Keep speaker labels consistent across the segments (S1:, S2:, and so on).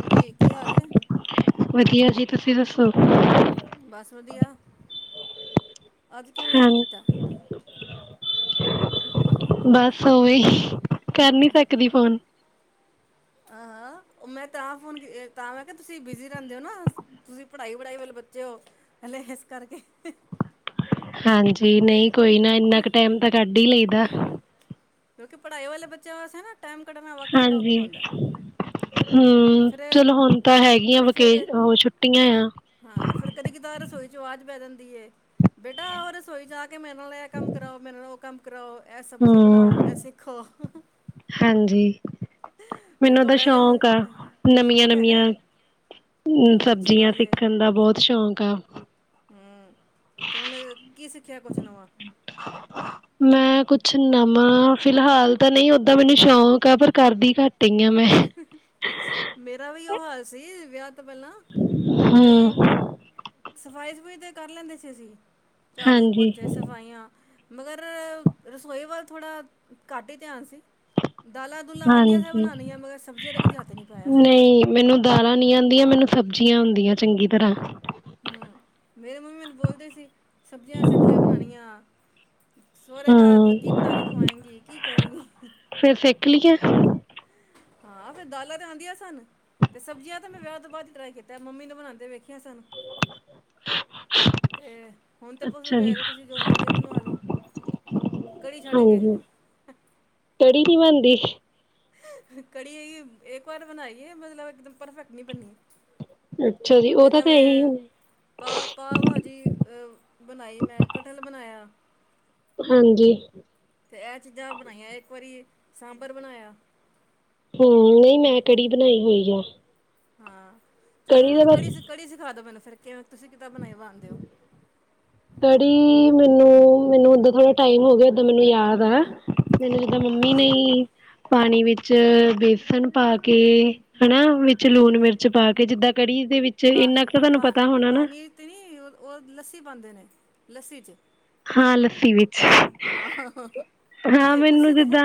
S1: ਹਾਂਜੀ, ਕੀ ਹਾਲ ਏ?
S2: ਵਧੀਆ ਜੀ, ਤੁਸੀਂ ਦੱਸੋ?
S1: ਬਸ ਵਧੀਆ। ਅੱਜ ਕਿਵੇਂ
S2: ਹਾਂ
S1: ਯਾਦ ਕੀਤਾ? ਹੂਹੂ
S2: ਬਸ ਉਵੇ ਹੀ, ਕਰ ਨੀ ਸਕਦੀ ਫੋਨ?
S1: ਆਹਾਂ ਓ ਮੈਂ ਤਾਂ, ਫੋਨ ਤਾਂ ਮੈਂ ਕਿਹਾ ਤੁਸੀਂ ਬਿਜੀ ਰਹਿੰਦੇ ਹੋ ਨਾ। ਤੁਸੀਂ ਪੜ੍ਹਾਈ ਵੜਾਈ ਵਾਲੇ ਬੱਚੇ ਓ, ਹਲੇ ਇਸ ਕਰਕੇ।
S2: ਹਾਂਜੀ, ਨਹੀਂ ਕੋਈ ਨਾ, ਇੰਨਾ ਕੁ ਟਾਈਮ ਤਾਂ ਕੱਢ ਹੀ ਲਈਦਾ।
S1: ਕਿਉਂਕਿ ਪੜ੍ਹਾਈ ਵਾਲੇ ਬੱਚਿਆਂ ਵਾਸਤੇ ਨਾ, ਟਾਈਮ ਕੱਢਣਾ ਵਾਕੇ ਬੜਾ ਔਖਾ ਹੁੰਦਾ ਐ।
S2: ਹੂ, ਚਲੋ ਹੁਣ ਤਾਂ ਹੈਗੀਆਂ, ਵਕੇ
S1: ਫਿਰ
S2: ਉਹ ਛੁੱਟੀਆਂ ਆ।
S1: ਹਾਂ ਫੇਰ ਕਦੇ ਕੇਦਾਰ ਰਸੋਈ ਚੋ ਆਵਾਜ਼ ਪੈ ਜਾਂਦੀ ਏ। ਬੇਟਾ ਆਉ ਰਸੋਈ ਚ ਆ ਕੇ ਮੇਰੇ ਨਾਲ ਐ ਕੰਮ ਕਰਾਓ, ਮੇਰੇ ਨਾਲ ਓ ਕੰਮ ਕਰਾਓ, ਐ ਸਬਜ਼ੀ
S2: ਹੂੰ
S1: ਬਣਾਓ, ਐ ਸਿੱਖੋ
S2: ਹਾਂਜੀ।
S1: ਤੇ
S2: ਮੈਨੂੰ ਤਾ
S1: ਤੁਹਾਡੇ ਨਾਲ ਵੀ
S2: ਸ਼ੌਂਕ ਆ, ਨਵੀਆਂ-
S1: ਸ਼ੌਕ ਹੈਗਾ
S2: ਨਵੀਆਂ
S1: ਹੈ?
S2: ਹੂੰ
S1: ਚਲੋ ਅੱਛੀ
S2: ਸਬਜ਼ੀਆਂ
S1: ਗੱਲ ਹੈ
S2: ਸਿੱਖਣ ਦਾ ਬਹੁਤ ਸ਼ੌਕ ਆ
S1: ਹੂੰ ਤੇ ਹੁਨ ਕੀ ਸਿੱਖਿਆ ਕੁਜ ਨਵਾ
S2: ਹ [inaudible] ਮੈਂ ਕੁਛ ਨਵਾਂ ਫਿਲਹਾਲ ਤਾਂ ਨਹੀਂ ਓਦਾਂ ਮੈਨੂੰ ਸ਼ੌਂਕ ਆ ਪਰ ਕਰਦੀ ਘੱਟ ਈ ਹਾਂ ਮੈਂ
S1: ਮੇਰਾ ਵੀ ਉਹ ਹਾਲ ਸੀ ਵਿਆਹ ਤੋਂ ਪਹਿਲਾਂ ਬਈ
S2: ਹੂੰ
S1: ਸਫ਼ਾਈ -ਸਫੂਈ ਤੇ ਕਰ ਲੈਂਦੇ ਸੀ ਅਸੀਂ ਝਾੜੂ-
S2: ਹਾਂਜੀ।
S1: ਪੋਚੇ ਸਫਾਈਆਂ ਮਗਰ ਰਸੋਈ ਵੱਲ ਥੋੜ੍ਹਾ ਘੱਟ ਹੀ ਧਿਆਨ ਸੀ ਦਾਲਾਂ ਦੁਲਾਂ ਆਂਦੀਆਂ ਸੀ
S2: ਹਾਂਜੀ
S1: ਬਣਾਣੀਆਂ ਮਗਰ ਸਬਜ਼ੀਆਂ ਦਾ ਕਦੇ ਹੱਥ ਨਹੀਂ ਪਾਇਆ
S2: ਨਹੀਂ ਮੈਨੂੰ ਦਾਲਾਂ ਨੀ ਆਂਦੀਆਂ, ਮੈਨੂੰ ਸਬਜ਼ੀਆਂ ਆਂਦੀਆਂ ਚੰਗੀ ਤਰ੍ਹਾਂ
S1: ਹੂੰ ਮੇਰੇ ਮੰਮੀ ਮੈਨੂੰ ਬੋਲਦੇ ਸੀ, ਸਬਜ਼ੀਆਂ ਸਿੱਖ ਲੈ ਬਣਾਣੀਆਂ ਸਹੁਰੇ ਘਰ ਕੀ ਬਣਾ
S2: ਹਾਂ।
S1: ਕੇ ਖਵਾਏਗੀ ਕੀ ਕਰੇਗੀ
S2: ਫੇਰ ਸਿੱਖਲੀਆਂ
S1: ਹਾਂ ਫੇਰ ਦਾਲਾਂ ਤੇ ਆਦੀਆਂ ਸਨ ਤੇ ਸਬਜ਼ੀਆਂ ਤਾਂ ਮੈਂ ਵਿਆਹ ਤੋਂ ਬਾਅਦ ਟਰਾਈ ਕੀਤਾ ਮੰਮੀ ਨੂੰ ਬਣਾਂਦੇ ਵੇਖੀਆਂ ਸਨ ਫੇਰ ਹੁਣ ਤੇ ਤੁਸੀਂ
S2: ਅੱਛਾ ਜੀ।
S1: ਮੇਰੇ ਕੋ ਜੋ ਮਰਜ਼ੀ ਬਣਵਾ ਲੋ ਕੜੀ ਛੱਡ ਕੇ।
S2: ਹਾਂਜੀ ਕੜੀ ਕਿ ਬਣਦੀ
S1: ਕੜੀ ਇੱਕ ਵਾਰ ਬਣਾਈਏ ਮਤਲਬ ਇਕ ਦਮ ਪਰਫੈਕਟ ਨਹੀਂ ਬੰਨੀ।
S2: ਅੱਛਾ ਜੀ
S1: ਹੁਣ ਤੇ
S2: ਉਹਦਾ ਤਾਂ ਤਾਂ ਇਹੀ
S1: ਜਵੇਂ ਪਾ ਪਾਓ ਭਾਜੀ ਬਣਾਈ ਮੈਂ ਕਠਲ ਬਣਾਇਆ।
S2: ਹਾਂਜੀ।
S1: ਤੇ ਇਹ ਚੀਜ਼ਾਂ ਬਣਾਈਆਂ, ਇੱਕ ਵਾਰੀ ਸਾਂਬਰ ਬਣਾਇਆ।
S2: ਹਮ ਨਹੀਂ ਮੈਂ ਕੜੀ ਬਣਾਈ ਹੋਈ ਆ
S1: ਹਾਂ, ਜੇ ਤੁਸੀਂ
S2: ਦਾ
S1: ਮੈਨੂੰ
S2: ਬਸ
S1: ਕੜੀ ਕੜੀ ਸਿਖਾਦੋ ਮੈਨੂੰ, ਫਿਰ ਕਿਵੇਂ ਤੁਸੀਂ ਕਿੱਦਾਂ ਬਣਾਈ ਬਣਾਦੇ ਹੋ।
S2: ਕੜੀ ਮੈਨੂੰ ਮੈਨੂੰ ਓਦਾਂ ਥੋੜਾ ਟਾਈਮ ਹੋ ਗਿਆ, ਏਦਾਂ ਮੈਨੂੰ ਯਾਦ ਆ ਮੈਨੂੰ ਮੰਮੀ ਨੇ
S1: ਅੱਛਾ
S2: ਪਾਣੀ ਵਿੱਚ ਬੇਸਨ ਪਾ ਕੇ ਹੈਨਾ ਮੰਮੀ। ਵਿਚ ਲੂਣ ਮਿਰਚ ਪਾ ਕੇ ਜਿੱਦਾਂ ਕੜੀ ਦੇ ਵਿੱਚ
S1: ਪਾ
S2: ਇੰਨਾ ਕੁ ਤਾਂ ਤੁਹਾਨੂੰ
S1: ਪਾ
S2: ਪਤਾ ਹੋਣਾ ਨਾ
S1: ਪਾਣੀ ਤੇ ਉਹ ਲੱਸੀ ਪਾਂਦੇ ਨੇ ਲੱਸੀ 'ਵਿਚ
S2: ਹਾਂ ਲੱਸੀ ਵਿੱਚ
S1: ਹਾਂ, ਹਾਂ, ਹਾਂ।
S2: ਹਾਂ, ਮੈਨੂੰ ਜਿੱਦਾਂ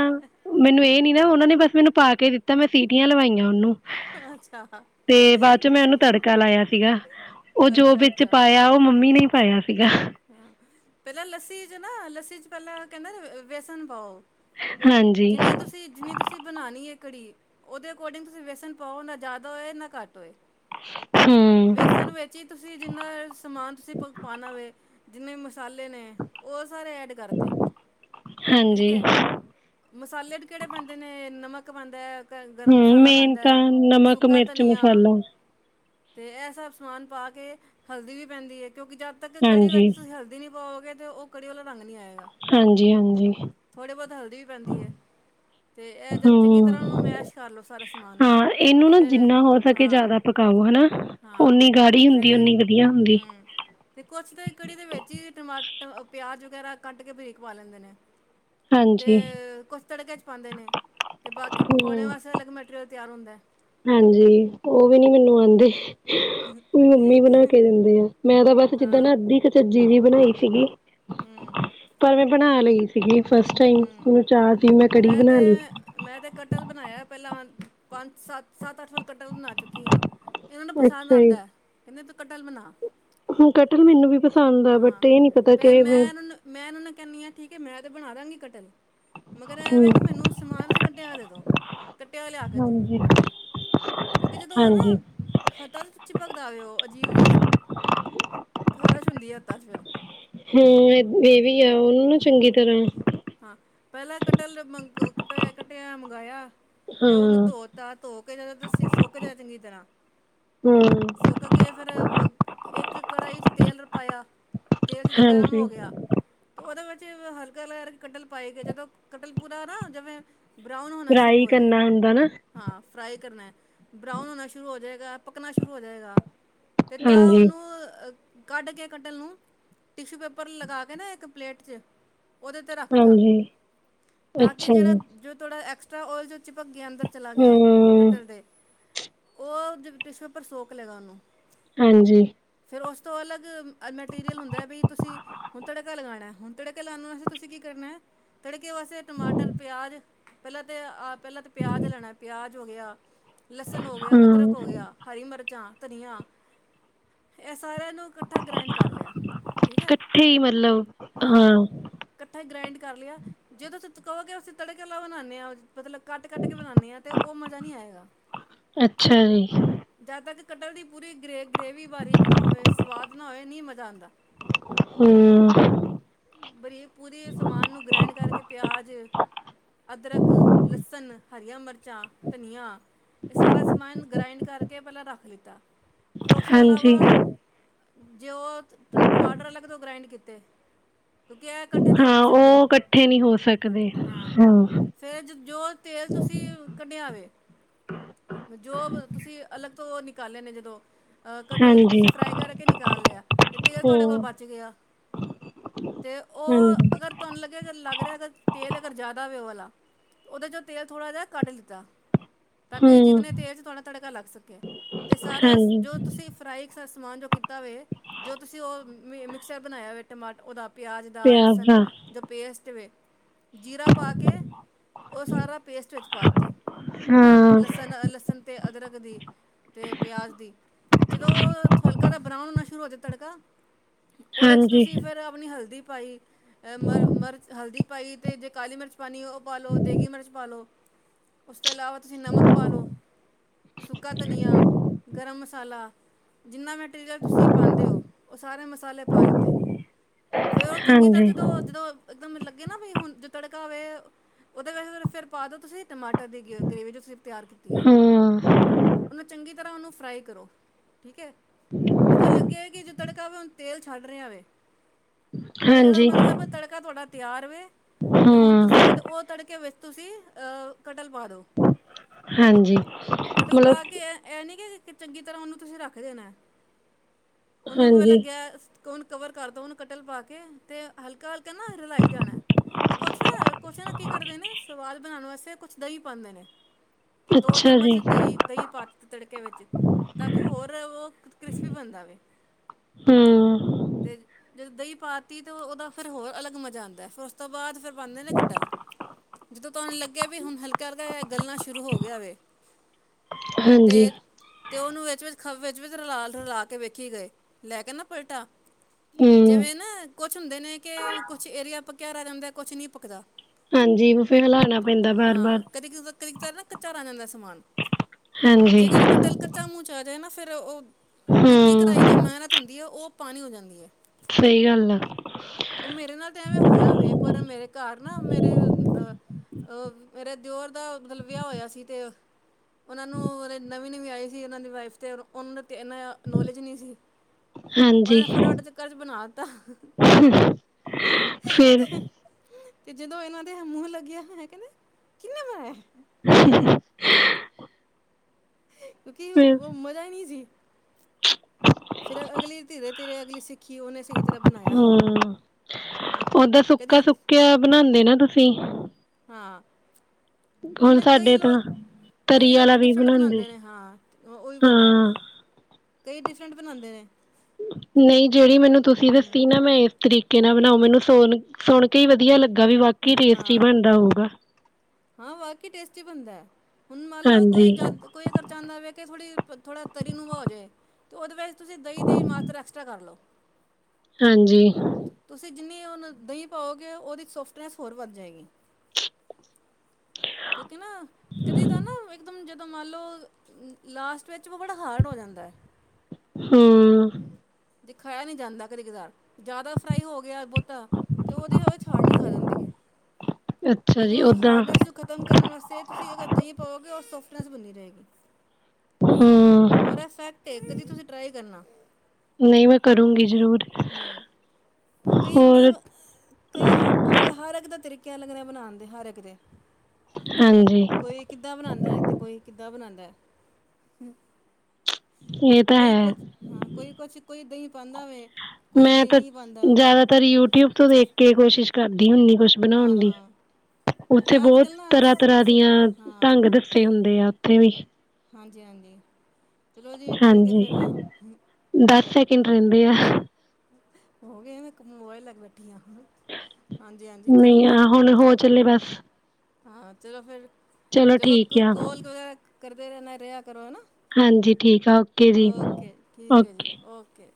S2: ਮੈਨੂੰ ਇਹ ਨੀ ਨਾ ਉਹਨਾਂ ਨੇ ਬਸ ਮੈਨੂੰ ਪਾ ਕੇ ਦਿੱਤਾ, ਮੈਂ ਸੀਟੀਆਂ ਲਵਾਈਆਂ ਉਹਨੂੰ
S1: ਅੱਛਾ।
S2: ਤੇ ਬਾਅਦ ਚ ਮੈਂ ਉਹਨੂੰ ਤੜਕਾ ਲਾਇਆ ਸੀਗਾ, ਉਹ ਜੋ
S1: ਅੱਛਾ
S2: ਵਿੱਚ
S1: ਅੱਛਾ
S2: ਪਾਇਆ ਉਹ ਮੰਮੀ ਨੇ ਪਾਇਆ ਸੀਗਾ [unintelligible]
S1: ਪਹਿਲਾਂ ਲੱਸੀ ਚ ਨਾ ਲੱਸੀ ਚ ਪਹਿਲਾਂ ਕਹਿੰਦੇ ਬੇਸਨ ਪਾਓ
S2: ਹਾਂਜੀ
S1: ਜਿੰਨੀ ਤੁਸੀਂ ਜਿੰਨੀ ਤੁਸੀਂ ਬਨਾਣੀ ਏ ਕੜੀ ਉਹਦੇ ਅਕੋਰਡਿੰਗ ਤੁਸੀਂ ਬੇਸਨ ਪਾਓ ਨਾ ਜ਼ਿਆਦਾ ਹੋਏ ਨਾ ਘੱਟ ਹੋਏ
S2: ਅ [inaudible]
S1: ਬੇਸਨ ਵਿੱਚ ਹੀ ਤੁਸੀਂ ਜਿੰਨਾ ਸਮਾਨ ਤੁਸੀਂ ਪਾਉਣਾ ਵੇ ਜਿੰਨੀ ਮਸਾਲੇ ਨੇ ਉਹ ਸਾਰੇ ਐਡ ਕਰਤੇ ਠੀਕ
S2: ਹਾਂਜੀ
S1: ਏ ਮਸਾਲੇ ਕਿਹੜੇ ਪੈਂਦੇ ਨੇ ਨਮਕ ਪੈਣਦਾ ਏ ਗਰਮ
S2: ਹੂੰ
S1: ਮਸਾਲਾ
S2: ਮੇਨ ਤਾਂ
S1: ਪੈਂਦਾ
S2: ਨਮਕ
S1: ਸੁੱਕਾ
S2: ਮਿਰਚ
S1: ਧਨੀਆ
S2: ਮਸਾਲਾ
S1: ਤੇ ਇਹ ਸਭ ਸਮਾਨ ਪਾ ਕੇ, ਹਲਦੀ ਵੀ ਪੈਂਦੀ ਏ ਕਿਉਂਕਿ ਜਦ ਤੱਕ ਕੜੀ
S2: ਹਾਂਜੀ
S1: ਵਿੱਚ ਤੁਸੀਂ ਹਲਦੀ ਨਹੀਂ ਪਾਓਗੇ ਤੇ ਉਹ ਕੜੀ ਵਾਲਾ ਰੰਗ ਨੀ ਆਏਗਾ,
S2: ਹਾਂਜੀ ਹਾਂਜੀ
S1: ਥੋੜ੍ਹੀ ਬਹੁਤ ਹਲਦੀ ਵੀ ਪੈਂਦੀ ਏ ਤੇ ਇਹ ਜ ਚੰਗੀ ਤਰ੍ਹਾਂ ਉਹਨਾਂ ਨੂੰ
S2: ਹੂੰ
S1: ਮੈਸ਼ ਕਰ ਲਉ ਸਾਰਾ ਸਮਾਨ ਨੂੰ
S2: ਹਾਂ ਇਹਨੂੰ ਨਾ
S1: ਫਿਰ
S2: ਜਿੰਨਾ ਹੋ ਸਕੇ
S1: ਹਾਂ
S2: ਜ਼ਿਆਦਾ ਪਕਾਓ ਹਨਾ
S1: ਹਾਂ
S2: ਓਨੀ ਗਾੜੀ ਹੁੰਦੀ
S1: ਫਿਰ
S2: ਓਨੀ ਵਧੀਆ ਹੁੰਦੀ
S1: ਹੂੰ ਤੇ ਕੁਛ ਤਾਂ ਕੜੀ ਦੇ ਵਿੱਚ ਹੀ ਟਮਾਟਰ ਪਿਆਜ ਵਗੈਰਾ ਕੱਟ ਕੇ ਬਰੀਕ ਪਾ ਲੈਂਦੇ ਨੇ ਤੇ
S2: ਹਾਂਜੀ
S1: ਕੁਛ ਤੜਕੇ ' ਪਾਉਂਦੇ ਨੇ ਤੇ ਬਾਕੀ
S2: ਹੂੰ
S1: ਪਕੋੜੇ ਵਾਸਤੇ ਅਲੱਗ ਮੈਟੀਰੀਅਲ ਤਿਆਰ ਹੁੰਦਾ
S2: ਹਾਂਜੀ ਉਹ ਵੀ ਨੀ ਮੈਨੂੰ ਆਉਂਦੇ ਉਹ ਮੰਮੀ ਬਣਾ ਕੇ ਦਿੰਦੇ ਆ ਮੈਂ ਤਾਂ ਬਸ ਜਿੱਦਾਂ
S1: ਹਾਂ
S2: ਨਾ ਅੱਧੀ ਸਜਵੀ ਜਿਹੀ ਬਣਾਈ ਸੀਗੀ
S1: ਹੂੰ
S2: ਪਰ ਮੈਂ ਬਣਾ ਲਈ ਸੀਗੀ ਫਸਟ ਟਾਈਮ
S1: ਹੂੰ
S2: ਉਹਨੂੰ ਚਾਅ ਸੀ ਮੈਂ ਕੜੀ ਬਣਾਣੀ
S1: ਮੈਂ ਤਾਂ ਕਟਲ ਬਣਾਇਆ ਪਹਿਲਾਂ ਪੰਜ ਸੱਤ ਸੱਤ ਅੱਠ ਵੱਲ ਕਟਲ ਬਣਾ ਚੁੱਕੀ ਹਾਂ। ਇਹਨਾਂ ਨੂੰ ਪਸੰਦ
S2: ਅੱਛਾ ਜੀ
S1: ਆਉਂਦਾ ਕਹਿੰਦੇ ਤੂੰ ਕਟਲ ਬਣਾ
S2: ਹੁਣ ਕਟਲ ਮੈਨੂੰ ਵੀ ਪਸੰਦ ਆ
S1: ਹਾਂ
S2: ਬਟ ਇਹ ਨੀ ਪਤਾ
S1: ਤੇ ਮੈ
S2: ਕਿਵੇਂ
S1: ਇਹਨਾਂ ਨੂੰ ਮੈਂ ਇਹਨਾਂ ਨੂੰ ਕਹਿੰਨੀ ਆ ਠੀਕ ਹੈ ਮੈਂ ਤੇ ਬਣਾਉਣ ਦੀ ਕਟਲ ਮਗਰ ਇਹ
S2: ਹੂੰ
S1: ਵੇ ਕਿ ਮੈਨੂੰ ਸਮਾਨ ਕੱਢਿਆ ਦੇ ਦੋ ਕੱਟਿਆ ਹੋ ਕੇ ਲਿਆ ਕੇ ਦੋ
S2: ਹਾਂਜੀ
S1: ਕੱਟਲ ਕਿਉਂਕਿ ਜਦੋਂ ਓ ਨਾ
S2: ਹਾਂਜੀ।
S1: ਹੱਥਾਂ ਚ ਚਿਪਕਦਾ ਏ ਉਹ ਅਜੀਬ ਜੀ ਖਾਰਸ਼ ਹੁੰਦੀ ਹੈ ਹੱਥਾਂ ਚ ਫਿਰ
S2: ਹੋਰ ਬੇਬੀ ਆ ਉਹਨੂੰ ਚੰਗੀ ਤਰ੍ਹਾਂ
S1: ਹਾਂ ਪਹਿਲਾਂ ਕਟਲ ਮਗ ਕਟ ਕਟੀਆਂ ਮੰਗਾਇਆ ਫਿਰ ਉਹਨੂੰ
S2: ਹਾਂ
S1: ਧੋ ਤਾਂ ਧੋ ਕੇ ਜਦੋਂ ਤੁਸੀਂ ਸੁਕ ਜੇ ਚੰਗੀ ਤਰ੍ਹਾਂ
S2: ਹੂੰ,,,
S1: ਅੱਗੇ ਫਿਰ ਇੱਕ ਕੜਾਹੀ 'ਚ ਤੇਲ ਪਾਇਆ ਤੇਲ ਜਦੋਂ ਗਰਮ
S2: ਹਾਂਜੀ
S1: ਹੋ ਗਿਆ ਤੇ ਉਹ ਦੇ ਵਿੱਚ ਹਲ ਅਗਰ ਕਟਲ ਪਾਏ ਗਏ ਜਦੋਂ ਕਟਲ ਪੂਰਾ ਨਾ ਜਿਵੇਂ ਬਰਾਊਨ ਹੋਣਾ ਸ਼ੁਰੂ
S2: ਫਰਾਈ
S1: ਹੋ ਜਾਏ
S2: ਕਰਨਾ ਹੁੰਦਾ ਨਾ
S1: ਹਾਂ ਫਰਾਈ ਕਰਨਾ ਬਰਾਊਨ ਹੋਣਾ ਸ਼ੁਰੂ ਹੋ ਜਾਏਗਾ ਪਕਣਾ ਸ਼ੁਰੂ ਹੋ ਜਾਏਗਾ ਤੇ ਤਾਂ
S2: ਹਾਂਜੀ
S1: ਉਹਨੂੰ ਕੱਢ ਕੇ ਕਟਲ ਨੂੰ ਟਿਸ਼ੂ ਪੇਪਰ ਲਗਾ ਕੇ ਨਾ ਇੱਕ ਪਲੇਟ ਚ ਉਹਦੇ 'ਤੇ ਰੱਖਦਾ
S2: ਹਾਂਜੀ।
S1: ਤਾਂ ਕਿ
S2: ਅੱਛਾ
S1: ਜਿਹੜਾ
S2: ਜੀ
S1: ਜੋ ਥੋੜਾ ਐਕਸਟਰਾ ਓਇਲ ਜੋ ਚਿਪਕ ਗਿਆ ਅੰਦਰ ਚਲਾ ਗਿਆ
S2: ਹੂੰ
S1: ਕਟਲ ਤੇ ਉਹ ਜਦੋ ਟਿਸ਼ੂ ਪੇਪਰ ਸੋਕ ਲਗਾ ਉਹਨੂੰ
S2: ਹਾਂਜੀ
S1: ਫਿਰ ਉਸ ਤੋਂ ਅਲੱਗ ਅ ਮਟੀਰੀਅਲ ਹੁੰਦਾ ਹੈ ਵੀ ਤੁਸੀਂ ਹੁਣ ਤੜਕਾ ਲਗਾਉਣਾ ਹੁਣ ਤੜਕੇ ਲਗਾਉਣਾ ਤੁਸੀਂ ਕੀ ਕਰਨਾ ਹੈ ਤੜਕੇ ਵਾਸੇ ਟਮਾਟਰ ਪਿਆਜ ਪਹਿਲਾਂ ਤੇ ਆਹ ਪਹਿਲਾਂ ਤੇ ਪਿਆਜ ਲੈਣਾ ਪਿਆਜ ਹੋ ਗਿਆ ਲਸਣ ਹੋ ਗਿਆ
S2: ਹੂੰ
S1: ਅਦਰਕ ਹੋ ਗਿਆ। ਹਾਏ ਮਿਰਚਾਂ ਧਨੀਆ ਇਹ ਸਾਰਿਆਂ ਨੂੰ ਇਕੱਠਾ ਗ੍ਰੈਂਡ ਕਰ ਲਿਆ ਠੀਕ ਹੈ
S2: ਇਕੱਠੇ ਹੀ ਮਤਲਬ
S1: ਹਾਂ। ਇਕੱਠਾ ਗ੍ਰੈਂਡ ਕਰ ਲਿਆ ਜਦੋਂ ਤਦ ਕਹੋਗੇ ਅਸੀਂ ਤੜਕੇ ਵਾਲਾ ਬਣਾਉਂਦੇ ਹਾਂ ਮਤਲਬ ਘੱਟ ਘੱਟ ਕੇ ਬਣਾਉਂਦੇ ਹਾਂ ਤੇ ਉਹ ਮਜ਼ਾ ਨਹੀਂ ਆਏਗਾ
S2: ਅੱਛਾ ਜੀ
S1: ਜਦ ਤੱਕ ਕਟਲ ਦੀ ਪੂਰੀ ਗ੍ਰੇ ਗ੍ਰੇਵੀ ਬਾਰੀਕ ਨਾ ਹੋਏ ਸਵਾਦ ਨਾ ਹੋਏ ਨਹੀਂ ਮਜ਼ਾ ਆਉਂਦਾ
S2: ਹੂੰ,,,
S1: ਬਰੀ ਪੂਰੀ ਸਮਾਨ ਨੂੰ ਗ੍ਰੈਂਡ ਕਰਕੇ ਪਿਆਜ ਅਦਰਕ, ਲਸਣ, ਹਰੀਆਂ ਮਿਰਚਾਂ, ਧਨੀਆ। ਇਹ ਸਾਰਾ ਸਮਾਨ ਗ੍ਰਾਈਂਡ ਕਰਕੇ ਪਹਿਲਾਂ ਰੱਖ ਲਿੱਤਾ, ਫਿਰ ਉਸ ਤੋਂ
S2: ਹਾਂਜੀ
S1: ਇਲਾਵਾ ਜੇ ਉਹ ਟਮਾਟਰ ਅਲੱਗ ਤੋਂ ਗਰਾਇੰਡ ਕੀਤੇ ਕਿਉਂਕਿ ਇਹ ਇਕੱਠੇ ਤਾਂ ਹੋ
S2: ਹਾਂ
S1: ਨਹੀਂ
S2: ਉਹ
S1: ਸਕਦੇ
S2: ਇਕੱਠੇ ਨਹੀਂ ਹੋ ਸਕਦੇ
S1: ਹਾਂ ਫਿਰ ਜੋ ਤੇਲ ਤੁਸੀਂ ਕੱਢਿਆ ਵੇ ਜੋ ਤੁਸੀਂ ਅਲੱਗ ਤੋਂ ਨਿਕਾਲੇ ਜਦੋਂ ਅ ਕਟਲ
S2: ਹਾਂਜੀ
S1: ਤੁਸੀਂ ਫਰਾਈ ਕਰਕੇ ਨਿਕਾਲ ਲਿਆ ਤੇ ਤੇਲ ਤੁਹਾਡੇ
S2: ਹਮ
S1: ਕੋਲ ਬਚ ਗਿਆ। ਤੇ
S2: ਹਾਂਜੀ
S1: ਉਹ ਅਗਰ ਤੁਹਾਨੂੰ ਲੱਗੇਗਾ ਲੱਗ ਰਿਹਾ ਤੇਲ ਅਗਰ ਜ਼ਿਆਦਾ ਹੋ ਵਾਲਾ ਉਹਦੇ ਚੋਂ ਤੇਲ ਥੋੜਾ ਜਿਹਾ ਕੱਢ ਲਿੱਤਾ ਤਾਂ ਕਿ ਜਿਤਨੇ
S2: ਹਮ
S1: ਤੇਲ 'ਚ ਤੁਹਾਡਾ ਤੜਕਾ ਲੱਗ ਸਕੇ ਤੇ ਸਾਰਾ
S2: ਹਾਂਜੀ
S1: ਜੋ ਤੁਸੀਂ ਫਰਾਈ ਸ ਸਮਾਨ ਜੋ ਕੀਤਾ ਵੇ ਜੋ ਤੁਸੀਂ ਉਹ ਮ ਮਿਕਸਰ ਬਣਾਇਆ ਟਮਾਟ ਉਹਦਾ ਪਿਆਜ਼ ਦਾ,
S2: ਪਿਆਜ
S1: ਲਸਨ
S2: ਦਾ
S1: ਜੋ ਪੇਸਟ ਵੇ ਜੀਰਾ ਪਾ ਕੇ ਉਹ ਸਾਰਾ ਪੇਸਟ ਵਿੱਚ ਪਾ ਤੀ
S2: ਹਾਂ
S1: ਲਸਨ ਅ ਲਸਨ ਤੇੇ ਅਦਰਕ ਦੀ ਤੇ ਪਿਆਜ਼ ਦੀ, ਜਦੋਂ ਹਲਕਾ ਦਾ ਬਰਾਉਨ ਹੋਣਾ ਸ਼ੁਰੂ ਹੋ ਜਾ ਤੜਕਾ ਉਹਦੇ 'ਚ
S2: ਹਾਂਜੀ
S1: ਤੁਸੀਂ ਫਿਰ ਆਪਣੀ ਹਲਦੀ ਪਾਈ, ਮ ਮਰ ਹਲਦੀ ਪਾਈ ਅਤੇ ਜੇ ਕਾਲੀ ਮਿਰਚ ਪਾਣੀ ਉਹ ਪਾ ਲਉ, ਦੇਗੀ ਮਿਰਚ ਪਾ ਲਓ, ਉਸ ਤੋਂ ਇਲਾਵਾ ਤੁਸੀਂ ਨਮਕ ਪਾ ਲਓ ਸੁੱਕਾ ਧਨੀਆ, ਗਰਮ ਮਸਾਲਾ ਜਿੰਨਾ ਮਟੀਰੀਅਲ ਤੁਸੀਂ ਪਾਉਂਦੇ ਹੋ, ਉਹ ਸਾਰੇ ਮਸਾਲੇ ਪਾ ਲਿੱਤੇ ਫੇਰ ਉਹ ਚੰਗੀ ਤਰ
S2: ਹਾਂਜੀ
S1: ਜਦੋਂ ਜਦੋਂ ਇੱਕਦਮ ਲੱਗੇ ਨਾ ਵੀ ਹੁਣ ਜੋ ਤੜਕਾ ਹੋਵੇ ਉਹਦੇ ਵੈਸ ਫਿਰ ਪਾ ਦੋ ਤੁਸੀਂ ਟਮਾਟਰ ਦੀ ਗਿ ਗ੍ਰਰੇਵੀ 'ਚ ਤੁਸੀਂ ਤਿਆਰ ਕੀਤੀ ਐ,
S2: ਹਮ
S1: ਉਹਨੂੰ ਚੰਗੀ ਤਰ੍ਹਾਂ ਉਹਨੂੰ ਫਰਾਈ ਕਰੋ, ਠੀਕ ਹੈ? ਜਦੋਂ ਲੱਗੇ ਕਿ ਜੋ ਤੜਕਾ ਵੇ ਹੁਣ ਤੇਲ ਛੱਡ ਰਿਹਾ ਵੇ ਤੇ ਇਹਦਾ
S2: ਹਾਂਜੀ
S1: ਮਤਲਬ ਤੜਕਾ ਤੁਹਾਡਾ ਤਿਆਰ ਵੇ ਤੇ ਹੁਣ
S2: ਹਮ
S1: ਤੁਸੀਂ ਤੇ ਉਹਦੇ ਉਹ ਤੜਕੇ ਵਿੱਚ ਤੁਸੀਂ ਅਹ ਕਟਲ ਪਾ ਦੋ।
S2: ਹਾਂਜੀ।
S1: ਕਟਲ
S2: ਮਤਲਬ
S1: ਪਾ ਕੇ ਇਹ ਨੀ ਕਿ ਚੰਗੀ ਤਰ੍ਹਾਂ ਉਹਨੂੰ ਤੁਸੀਂ ਰੱਖ ਦੇਣਾ। ਉਹਨੂੰ
S2: ਹਾਂਜੀ
S1: [inaudible] ਨੂੰ ਕਵਰ ਕਰਦੋ ਉਹਨੂੰ ਕਟਲ ਪਾ ਕੇ ਤੇ ਹਲਕਾ-ਹਲਕਾ ਨਾ ਰਲਾਈ ਜਾਣਾ। ਤੇ ਕੁਛ ਨਾ ਕੁਛ ਨਾ ਕੀ ਕਰਦੇ ਨੇ ਸਵਾਦ ਬਣਾਉਣ ਵਾਸਤੇ ਕੁਛ ਦਹੀਂ ਪਾਉਂਦੇ ਨੇ। ਕਿ ਦੋ
S2: ਅੱਛਾ ਜੀ
S1: ਚਮਚ ਦਹੀਂ ਦਹੀਂ ਪਾਤੀ ਤੜਕੇ ਵਿੱਚ, ਤਾਂ ਕਿ ਹੋਰ ਉਹ ਕ੍ਰਿਸਪੀ ਬਣਦਾਵੇ।
S2: ਹਮ
S1: ਤੇ ਜਦੋਂ ਦਹੀਂ ਪਾਤੀ ਤਾਂ ਉਹਦਾ ਫਿਰ ਹੋਰ ਅਲੱਗ ਮਜ਼ਾ ਆਉਂਦਾ, ਫਿਰ ਉਸ ਤੋਂ ਬਾਅਦ ਫਿਰ ਪਾਉਂਦੇ ਨੇ ਕਟਲ, ਜਦੋਂ ਤੁਹਾਨੂੰ ਲੱਗਿਆ ਵੀ ਹੁਣ ਹਲਕਾ ਹਲਕਾ ਅ ਗੱਲਣਾ ਸ਼ੁਰੂ ਹੋ ਗਿਆ ਵੇ
S2: ਹਾਂਜੀ
S1: ਤੇ ਤੇ ਉਹਨੂੰ ਵਿੱਚ ਵਿੱਚ ਖੱਪ ਵਿੱਚ ਵਿੱਚ ਰਲਾਲ ਰਲਾ ਕੇ ਵੇਖੀ ਗਏ, ਲੈ ਕੇ ਨਾ ਪਲਟਾ?
S2: ਹਮ
S1: ਜਿਵੇਂ ਨਾ ਕੁਛ ਹੁੰਦੇ ਨੇ, ਕਿ ਕੁਛ ਏਰੀਆ ਪੱਕਿਆ ਰਹਿ ਜਾਂਦਾ ਕੁਛ ਨਹੀਂ ਪਕਦਾ
S2: ਹਾਂਜੀ, ਫਿਰ ਹਲਾਉਣਾ ਪੈਂਦਾ ਬਾਰ-ਬਾਰ।
S1: ਕਦੀ ਕਦੀ ਨਾ ਕੱਚਾ ਰਹਿ ਜਾਂਦਾ ਸਮਾਨ
S2: ਹਾਂਜੀ
S1: ਜੇਕਰ ਕਟਲ ਕੱਚਾ ਮੂੰਹ ਚ ਆ ਜਾਏ ਨਾਲ ਫਿਰ ਉਹ ਕੀਤੀ ਕਰਾਈ ਜੋ
S2: ਹਮ
S1: ਮਿਹਨਤ ਹੁੰਦੀ ਹੈ, ਉਹ ਪਾਣੀ ਹੋ ਜਾਂਦੀ ਏ।
S2: ਸਹੀ ਗੱਲ ਆ।
S1: ਉਹ ਮੇਰੇ ਨਾਲ ਤੇ ਐਵੇਂ ਹੋਇਆ ਵੇ, ਪਰ ਮੇਰੇ ਘਰ ਨਾ ਮੇਰੇ ਅ ਉਹ ਮੇਰੇ ਦਿਓਰ ਦਾ ਮਤਲਬ ਵਿਆਹ ਹੋਇਆ ਸੀ ਤੇ ਉਹਨਾਂ ਨੂੰ ਨਵੀਂ ਨਵੀਂ ਆਈ ਸੀ ਉਹਨਾਂ ਦੀ ਵਾਈਫ ਤੇ ਉਹਨਾਂ ਦਾ ਇਨਾ ਨੌਲੇਜ ਨਹੀਂ ਸੀ। ਉਹਨਾਂ
S2: ਹਾਂਜੀ
S1: ਨੇ ਫਟਾਫਟ ਦੇ ਚੱਕਰ ਚ ਬਣਾ ਤਾ
S2: ਫਿਰ
S1: [inaudible] ਤੇ ਜਦੋਂ ਇਹਨਾਂ ਦੇ ਮੂੰਹ ਲੱਗਿਆਂ, ਇਹ ਕਹਿੰਦੇ ਕਿੰਨੇ ਬਣਾਇਆ?
S2: [inaudible]
S1: ਕਿਉਂਕਿ-
S2: ਫੇਰ?
S1: ਉਹ ਮਜ਼ਾ ਹੀ ਨਹੀਂ ਸੀ। ਫੇਰ ਅਗਲੀ ਧੀਰੇ- ਤੇਰੇ ਅਗਲੀ ਉਹਨੇ ਸਹੀ ਤਰ੍ਹਾਂ ਬਣਾਇਆ
S2: ਹਮ, ਓਦਾ ਸੁੱਕਾ
S1: ਕਦੀ
S2: ਸੁੱਕਿਆ ਬਣਾਉਦੇ ਨਾ ਤੁਸੀਂ?
S1: ਹਾਂ [inaudible]
S2: ਹੁਣ
S1: ਉਹਨੇ ਕਈ
S2: ਸਾਡੇ ਤਾਂ
S1: ਲੋਕ ਕਈ
S2: ਤਰੀ
S1: ਲੋਕੀ
S2: ਵਾਲਾ ਵੀ
S1: ਡਿਫਰੈਂਟ
S2: ਬਣਾਉਂਦੇ
S1: ਬਣਾਦੇ ਨੇ ਹਾਂ, ਓਈ ਬਣਦਾ ਵੇ।
S2: ਹਾਂ
S1: ਕਈ ਡਿਫਰੈਂਟ ਬਣਾ ਦੇ ਨੇ।
S2: ਨਈ ਜੇੜੀ ਮੈਨੂੰ ਤੁਸੀਂ
S1: ਹਮ
S2: ਦੱਸੀ ਨਾ ਮੈ ਏ। ਤਰੀਕੇ ਨਾਲ ਬਣਾਓ ਮੈਨੂੰ ਸੋਣ, ਸੋਣ ਕੇ ਈ ਵਧੀਆ ਲੱਗਾ ਵੀ ਬਾਕੀ ਟੇਸਟੀ
S1: ਹਾਂ
S2: ਬਣਦਾ ਹੋਊਗਾ।
S1: ਹਾਂ ਵਾਕੇ ਟੇਸਟੀ ਬਣਦਾ, ਹੁਣ ਮੱਨ ਲਓ ਕੋਈ
S2: ਹਾਂਜੀ
S1: ਜਾਦ। ਕੋਈ ਅਗਰ ਚਾਦਾ ਹੋਵੇ ਕੇ ਥੋੜੀ, ਥੋੜਾ ਤਰੀ ਨਵਾ ਜੇ ਤੇ ਓਦੇ ਵੇ ਤੁਸੀਂ ਦਈ ਦੀ ਮਾਤਰਾ ਐਕਸਟ੍ਰਾ ਕੱਰ ਲੋ।
S2: ਹਾਂਜੀ।
S1: ਤੁਸੀਂ ਜਿੰਨੀ ਹੋਣ ਦਹੀਂ ਪਾਓਗੇ, ਓਦੀ ਸੋਫਟਨੈਸ ਹੋਰ ਵੱਧ ਜਾਏਗੀ। ਕੇਉਕਿ ਨਾ। ਕਦੀ ਤਾਂ ਨਾ ਏਕਦਮ ਜਦੋਂ ਮੱਨ ਲੋ, ਲਾਸਟ ਵੇਚ ਵੋ ਬੜਾ ਹਾਰਡ ਹੋ ਜਾਦੈ।
S2: ਹਾਂ।
S1: ਦਿਖਾਆ ਨੀ ਜਾਂਦਾ, ਕਦੀ-ਕਦਾਰ ਜਾਦਾ ਫਰਾਈ ਹੋ ਗੇਆ ਬੋ। ਤਾ ਓਦੇ-ਓਦੇ ਚ ਹਾਰਡਨੈਸ ਆ ਜਾਂਦੀ ਏ,
S2: ਅੱਛਾ
S1: ਲੇਕਿਨ
S2: ਜੀ
S1: ਓਸ
S2: ਓਦਾਂ
S1: ਹਾਰਡਨੈਸ। ਖਤਮ ਕਰਨ ਵਾਸਤੇ ਤੁਸੀ ਅਗਰ ਦਈ ਪਾਓਗੇ ਔ ਸੋਫਟਨੈਸ ਬਣੀ ਰਏਗੀ।
S2: ਹੁ।
S1: ਥੋਰਾ ਸੈਟ ਏ, ਕਦੀ ਤੁਸੀਂ ਟਰਾਈ ਕਰਨਾ।
S2: ਨਈ ਮੈ ਕਰੂੰ।
S1: ਹੂੰ, ਕਈ
S2: ਹੋਰ
S1: ਮਤਲਬ, ਕਈ ਹ। ਹੱਏ ਹੱਰ ਏਕ ਦੇ ਤਰੀਕੇ ਅਲਗ ਨੇ ਬਣਾਣ ਦੇ, ਹਰ ਏਕ ਦੇ।
S2: ਹਾਂਜੀ।
S1: ਕੋਈ ਕਿੱਦਾਂ ਬਣਾਦੈ ਤੇ ਕੋਈ ਕਿੱਦਾਂ ਬਣਾਦੈ ਹ।
S2: ਇਹ ਤਾਂ
S1: ਕੋਈ
S2: ਹੈ
S1: ਕੁਛ ਹਾਂ, ਕੋਈ ਕੁਛ ਕੋਈ ਦਈ ਪਾਦਾ ਵੇ। ਕੋਈ
S2: ਮੈਂ
S1: ਦਹੀਂ
S2: ਤ,
S1: ਨਹੀਂ ਪਾਉਂਦਾ
S2: ਜਾਦਾਤਰ ਯੂਟਿਊਬ ਤੋ ਦੇਖ ਕੇ ਕੋਸ਼ਿਸ਼। ਕਰਦੀ ਹੁੰਣੀ ਕੋਛ
S1: ਹਾਂ
S2: ਬਣਾਓਣ ਦੀ, ਓਥੇ
S1: ਹਾਂ ਅੱਜ
S2: ਬੋਤ
S1: ਕੱਲ੍ਹ ਨਾ
S2: ਤਰ੍ਹਾਂ-ਤਰ੍ਹਾਂ
S1: ਸ
S2: ਦੀਆਂ,
S1: ਹਾਂ
S2: ਟਾਂਗ ਦ ਸੇ ਹੁੰਦੇ ਆ ਓਥੇ ਵੀ।
S1: ਹਾਂਜੀ-ਹਾਂਜੀ, ਚਲੋ ਜੀ ਠੀਕ ੲੈ ਫੇਰ ਹੈ।
S2: ਦੱਸ ਸੈਕਿੰਡ ਰੈਂਦੇ ਆ।
S1: ਹੋਗੇ ਨੇ ਏਕ ਮੋਬਾੲਲ ਲੈ ਕੇ ਬੈਠੀ ਆ।
S2: ਨਈ ਆ ਹੋਣ ਹੋ ਚੱਲੇ ਬੱਸ।
S1: ਹਾਂ ਚਲੋ ਫੇਰ ਚਲੋ ਕ
S2: ਠੀਕ ਆ।
S1: ਕੋਲ ਗਗੈਰਾ ਕਰਦੇ ਰੇਣਾ ਰੇਆ ਕਰੋ ਹਨਾ।
S2: ਹਾਂਜੀ ਠੀਕ ਆ ਓਕੇ ਜੀ,
S1: ਠੀਕ ਹੈ ਜੀ
S2: ਓਕੇ।
S1: ਓਕੇ